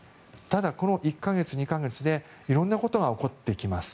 ただ、この１か月、２か月で色んなことが起こってきます。